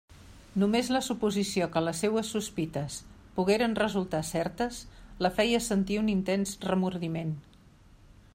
Només la suposició que les seues sospites pogueren resultar certes la feia sentir un intens remordiment.